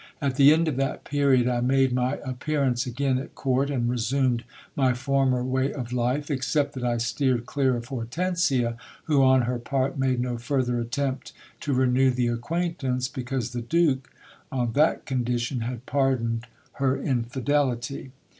At the end of that period I made my appearance again at court, and resumed my former way of life, except that I steered clear of Hortensia, who on her part made no further attempt to renew the acquaintance, because the Duke, on that condition, had pardoned her infidelity.